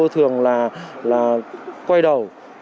thường là quay đầu